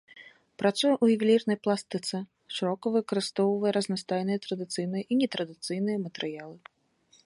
Працуе ў ювелірнай пластыцы, шырока выкарыстоўвае разнастайныя традыцыйныя і нетрадыцыйныя матэрыялы.